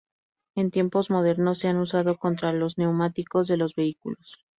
En tiempos modernos se han usado contra los neumáticos de los vehículos.